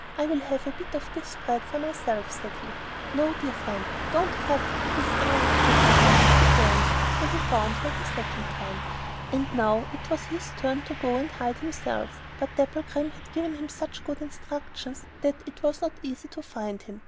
'I will have a bit of this bread for myself,' said he. 'No, dear friend, don't cut, it is I!' said the Princess again; so he had found her the second time. And now it was his turn to go and hide himself; but Dapplegrim had given him such good instructions that it was not easy to find him.